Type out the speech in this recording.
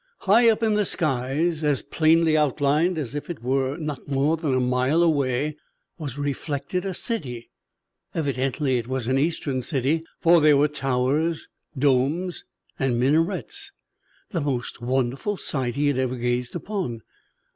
High up in the skies, as plainly outlined as if it were not more than a mile away, was reflected a city. Evidently it was an Eastern city, for there were towers, domes and minarets, the most wonderful sight he had ever gazed upon.